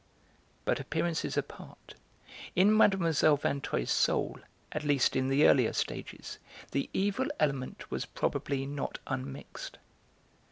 But, appearances apart, in Mlle. Vinteuil's soul, at least in the earlier stages, the evil element was probably not unmixed.